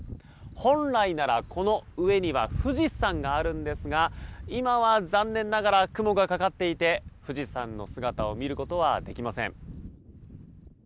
本来なら、この上には富士山があるんですが今は残念ながら雲がかかっていて富士山の姿を見ることはできません。